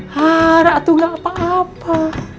hara tuh gak apa apa